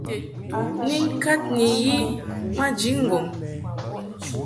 Ni ŋkad ni yi maji ŋgɔŋ.